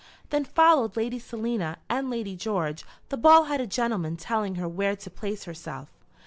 Then followed Lady Selina, and Lady George, the bald headed gentleman telling her where to place herself.